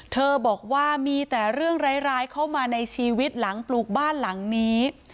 บอกว่ามีแต่เรื่องร้ายเข้ามาในชีวิตหลังปลูกบ้านหลังนี้